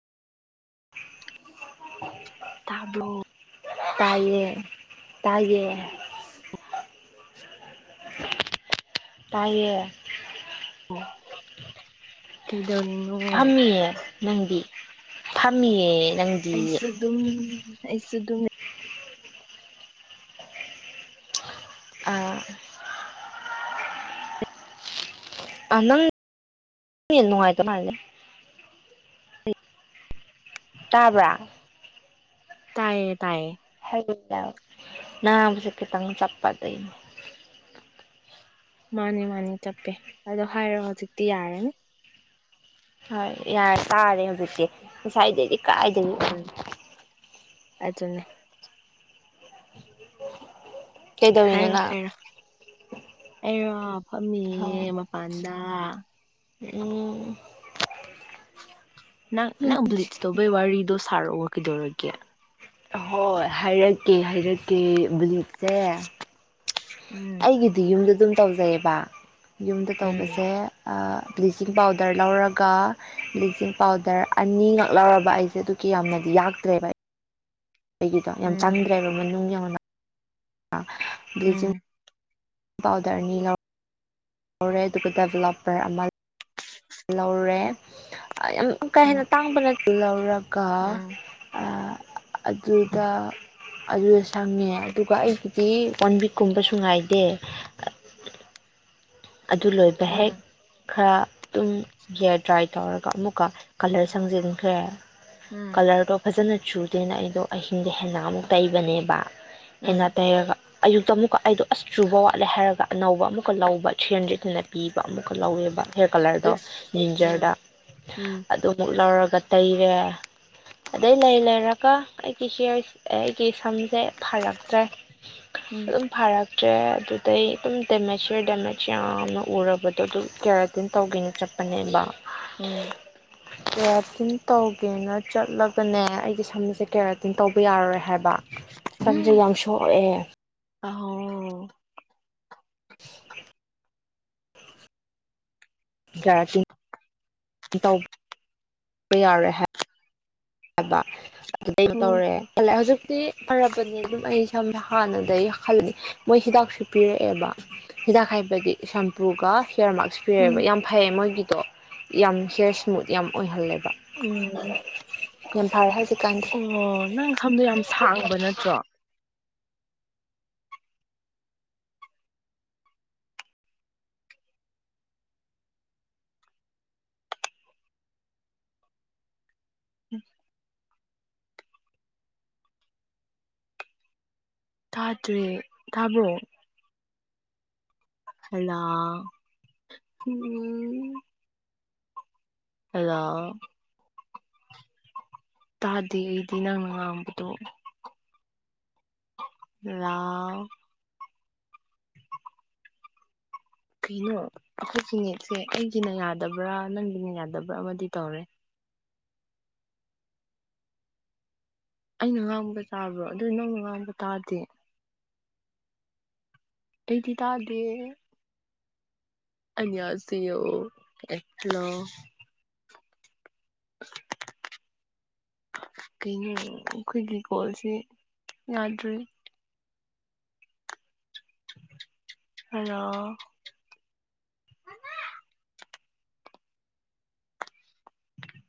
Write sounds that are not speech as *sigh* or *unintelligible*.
ꯇꯥꯕ꯭ꯔꯣ ꯇꯥꯏꯌꯦ ꯇꯥꯏꯌꯦ ꯇꯥꯏꯌꯦ ꯀꯩꯗꯧꯔꯤꯅꯣ ꯐꯝꯃꯤꯌꯦ ꯅꯪꯗꯤ ꯐꯝꯃꯤꯌꯦ ꯅꯪꯗꯤ ꯑꯩꯁꯨ ꯑꯗꯨꯝ ꯑꯩꯁꯨ ꯑꯗꯨꯝ ꯑꯥ ꯑꯥ ꯅꯪ ꯅꯦꯠ ꯅꯨꯡꯉꯥꯏꯇ ꯃꯥꯂꯤꯅꯦ ꯇꯥꯕ꯭ꯔꯥ ꯇꯥꯏꯌꯦ ꯇꯥꯏꯌꯦ *unintelligible* ꯅꯥꯕꯨꯁꯦ ꯈꯤꯇꯪ ꯆꯞꯄ ꯑꯗꯨꯏꯅꯤ ꯃꯥꯅꯤ ꯃꯥꯅꯤ ꯆꯞꯄꯦ ꯑꯗꯣ ꯍꯥꯏꯔꯣ ꯍꯧꯖꯤꯛꯇꯤ ꯌꯥꯔꯅꯤ ꯍꯣꯏ ꯌꯥꯔꯦ ꯇꯥꯔꯦ ꯍꯧꯖꯤꯛꯇꯤ ꯉꯁꯥꯏꯗꯩꯗꯤ ꯀꯥꯏꯗꯒꯤ ꯑꯆꯨꯅꯦ ꯀꯩꯗꯧꯔꯤꯅꯣ ꯍꯥꯏꯔꯣ ꯅꯪ ꯍꯥꯏꯔꯣ ꯑꯩꯔꯣ ꯐꯝꯃꯤꯌꯦ ꯃꯄꯥꯟꯗ ꯎꯝ ꯅꯪ ꯅꯪ ꯕ꯭ꯂꯤꯠꯁ ꯇꯧꯕꯩ ꯋꯥꯔꯤꯗꯣ ꯁꯥꯔꯛꯑꯣ ꯀꯩꯗꯧꯔꯒꯦ ꯑꯍꯣꯏ ꯍꯥꯏꯔꯛꯀꯦ ꯍꯥꯏꯔꯛꯀꯦ ꯕ꯭ꯂꯤꯞꯁꯦ ꯎꯝ ꯒꯤꯗꯤ ꯌꯨꯝꯗ ꯑꯗꯨꯝ ꯇꯧꯖꯩꯑꯕ ꯌꯨꯝꯗ ꯎꯝ ꯇꯧꯕꯖꯦ ꯑꯥ ꯕ꯭ꯂꯤꯆꯤꯡ ꯄꯥꯎꯗꯔ ꯂꯧꯔꯒ ꯕ꯭ꯂꯤꯛꯆꯤꯡ ꯄꯥꯎꯗꯔ ꯑꯅꯤꯉꯛ ꯂꯧꯔꯕ ꯑꯩꯖꯦ ꯑꯗꯨꯛꯀꯤ ꯌꯥꯝꯅꯗꯤ ꯌꯥꯛꯇ꯭ꯔꯦꯕ ꯑꯩꯒꯤꯗꯣ ꯌꯥꯝ ꯆꯟꯗ꯭ꯔꯦꯕ ꯃꯅꯨꯡ ꯌꯧꯅ ꯕꯤꯡꯆꯤꯡ ꯎꯝ ꯄꯥꯎꯗꯔ ꯑꯅꯤ ꯂꯧ ꯑꯣꯔꯦꯗꯨꯒ ꯗꯦꯕꯂꯞꯄꯔ ꯑꯃ ꯂꯧꯔꯦ ꯑꯥ ꯌꯥꯝ ꯀꯥ ꯎꯝ ꯍꯦꯟꯅ ꯇꯥꯡꯕꯅꯠꯇ ꯂꯧꯔꯒ ꯎꯝ ꯎꯝ ꯑꯥ ꯑꯗ꯭ꯔꯨꯗ ꯑꯗꯨꯗ ꯁꯪꯉꯦ ꯑꯗꯨꯒ ꯑꯩꯒꯤꯗꯤ ꯋꯥꯟ ꯋꯤꯛꯀꯨꯝꯕꯁꯨ ꯉꯥꯏꯗꯦ ꯑꯗꯨ ꯂꯣꯏꯕ ꯍꯦꯛ ꯎꯝ ꯈꯔ ꯑꯗꯨꯝ ꯍꯤꯌꯥꯔ ꯗ꯭ꯔꯥꯏ ꯇꯧꯔꯒ ꯑꯃꯨꯛꯀ ꯀꯂꯔ ꯁꯪꯖꯤꯟꯈ꯭ꯔꯦ ꯎꯝ ꯀꯂꯔꯗꯣ ꯐꯖꯅ ꯆꯨꯗꯦꯅ ꯑꯩꯗꯣ ꯑꯍꯤꯡꯗ ꯍꯦꯟꯅ ꯑꯃꯨꯛ ꯇꯩꯕꯅꯦꯕ ꯍꯦꯟꯅ ꯎꯝ ꯇꯩꯔꯒ ꯑꯌꯨꯛꯇ ꯑꯃꯨꯛꯀ ꯑꯩꯗꯣ ꯑꯁ ꯆꯨꯕ ꯋꯥꯠꯂꯦ ꯍꯥꯏꯔꯒ ꯑꯅꯧꯕ ꯑꯃꯨꯛꯀ ꯂꯧꯕ ꯊ꯭ꯔꯤ ꯍꯟꯗ꯭ꯔꯦꯠꯅ ꯄꯤꯕ ꯑꯃꯨꯛꯀ ꯂꯧꯋꯦꯕ ꯍꯦꯌ ꯀꯂꯔꯗꯣ ꯌꯤꯟꯖꯔꯗ ꯏꯁ ꯎꯝ ꯑꯗꯨꯃꯨꯛ ꯂꯧꯔꯒ ꯇꯩꯔꯦ ꯑꯗꯩ ꯂꯩ ꯂꯩꯔꯒ ꯑꯩꯒꯤ ꯍꯤꯌꯔ ꯑꯩꯒꯤ ꯁꯝꯁꯦ ꯐꯔꯛꯇ꯭ꯔꯦ ꯎꯝ ꯑꯗꯨꯝ ꯐꯥꯔꯛꯇ꯭ꯔꯦ ꯑꯗꯨꯗꯩ ꯑꯗꯨꯝ ꯗꯦꯃꯦꯖ ꯍꯤꯌꯔ ꯗꯦꯃꯦ ꯁꯌꯥꯝꯅ ꯎꯔꯕꯗꯣ ꯑꯗꯨ ꯀꯦꯔꯇꯤꯟ ꯇꯧꯒꯦꯅ ꯆꯠꯄꯅꯦꯕ ꯎꯝ ꯀꯦꯔꯥꯇꯤꯟ ꯇꯧꯒꯦꯅ ꯆꯠꯂꯒꯅꯦ ꯑꯩꯒꯤ ꯁꯝꯃꯁꯦ ꯀꯦꯔꯥꯇꯤꯟ ꯇꯧꯕ ꯌꯥꯔꯔꯣꯏ ꯍꯥꯏꯕ ꯁꯝꯖꯦ ꯎꯝ ꯌꯥꯝ ꯁꯣꯛꯑꯦ ꯑꯍꯣ *unintelligible* *unintelligible* ꯇꯧ ꯕꯥ ꯌꯥꯔꯦ ꯍꯥꯏ *unintelligible* ꯍꯥꯏꯕ ꯑꯗꯨꯗꯩ ꯎꯝ ꯇꯧꯔꯦ ꯂ ꯍꯧꯖꯤꯛꯇꯤ ꯐꯔꯕꯅꯦ ꯑꯗꯨꯝ ꯑꯩ ꯁꯝ ꯍꯥꯟꯅꯗꯒꯤ ꯈꯂ ꯃꯣꯏ ꯍꯤꯗꯥꯛꯁꯨ ꯄꯤꯔꯛꯑꯦꯕ ꯍꯤꯗꯥꯛ ꯍꯥꯏꯕꯒꯤ ꯁꯝꯄꯨꯒ ꯍꯤꯌꯥꯔ ꯃꯥꯛꯁ ꯄꯤꯔꯦꯕ ꯎꯝ ꯌꯥꯝ ꯐꯩꯌꯦ ꯃꯣꯏꯒꯤꯗꯣ ꯌꯥꯝ ꯍꯦꯌꯔ ꯁ꯭ꯃꯨꯠ ꯌꯥꯝ ꯑꯣꯏꯍꯜꯂꯦꯕ ꯎꯝ ꯌꯥꯝ ꯐꯥꯏ ꯍꯥꯏꯖꯤꯛ ꯀꯥꯟꯗꯦ ꯑꯣ ꯅꯪ ꯁꯝꯗꯣ ꯌꯥꯝ ꯁꯥꯡꯕ ꯅꯠꯇ꯭ꯔꯣ ꯎꯝ ꯇꯥꯗ꯭ꯔꯦ ꯇꯥꯕ꯭ꯔꯣ ꯍꯜꯂꯣ ꯎꯝ ꯍꯜꯂꯣ ꯇꯥꯗꯦ ꯑꯩꯗꯤ ꯅꯪꯅ ꯉꯥꯡꯕꯗꯣ ꯔꯥꯎ ꯀꯩꯅꯣ ꯑꯩꯈꯣꯏꯒꯤ ꯅꯦꯠꯁꯦ ꯑꯩꯒꯤꯅ ꯌꯥꯗꯕ꯭ꯔꯥ ꯅꯪꯒꯤꯅ ꯌꯥꯗꯕ꯭ꯔꯥ ꯑꯃꯗꯤ ꯇꯧꯔꯦ ꯑꯩꯅ ꯉꯥꯡꯕ ꯇꯥꯕ꯭ꯔꯣ ꯑꯗꯨ ꯅꯪꯅ ꯉꯥꯡꯕ ꯇꯥꯗꯦ ꯑꯩꯗꯤ ꯇꯥꯗ꯭ꯔꯤꯌꯦ ꯑꯅꯤꯌꯥꯁꯦꯑꯣ ꯑꯦ ꯍꯜꯂꯣ *inaudible* ꯀꯩꯅꯣ ꯑꯩꯈꯣꯏꯒꯤ ꯀꯣꯜꯁꯤ ꯌꯥꯗ꯭ꯔꯦ ꯍꯜꯂꯣ